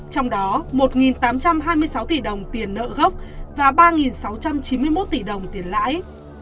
trong đó một tám trăm hai mươi sáu tỷ đồng tiền nợ gốc và ba sáu trăm chín mươi một tỷ đồng tiền lãi